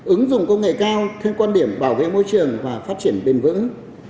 ứng dụng công nghệ cao thêm quan điểm bảo vệ môi trường và phát triển bền vững